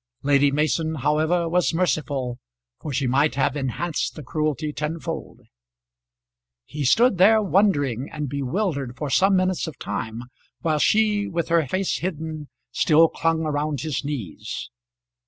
Lady Mason, however, was merciful, for she might have enhanced the cruelty tenfold. He stood there wondering and bewildered for some minutes of time, while she, with her face hidden, still clung round his knees.